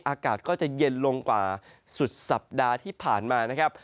อากาศก็จะเย็นลงกว่าสุดสัปดาห์ที่ผ่านมานะครับ